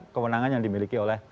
kemenangan yang dimiliki oleh